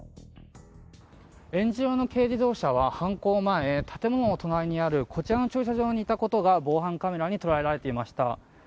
えんじ色の軽自動車は、犯行前建物の隣にあるこちらの駐車場にいたことが防犯カメラに捉えられていました。